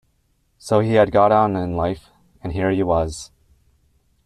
So he had got on in life, and here he was!